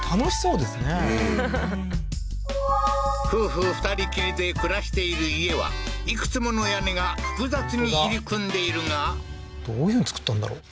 うん夫婦２人きりで暮らしている家はいくつもの屋根が複雑に入り組んでいるがどういうふうに造ったんだろう？